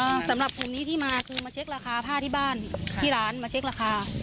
สำหรับกลุ่มนี้ที่มาคือมาเช็คราคาผ้าที่บ้านที่ร้านมาเช็คราคา